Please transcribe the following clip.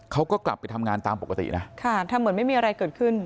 เขาก็กลับไปทำงานตามปกตินะค่ะทำเหมือนไม่มีอะไรเกิดขึ้น